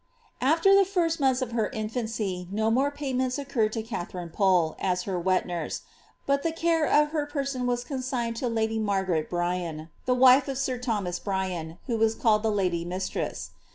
AAer the first months of her infancy no more payments occur to Ki tharine Pole, as her wet nurse, but the care of her person was consigned to lady Mart^arei Br\'aii, the wife of sir Thomas Br\'an, who was caiied the lady mistress.